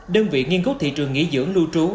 đơn vị nghiên cứu thị trường nghỉ dưỡng lưu trú